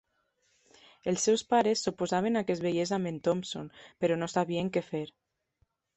Els seus pares s'oposaven a que es veiés amb en Thompson, però no sabien què fer.